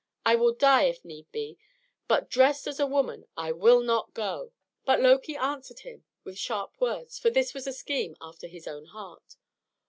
I will die, if need be! But dressed as a woman I will not go!" But Loki answered him with sharp words, for this was a scheme after his own heart.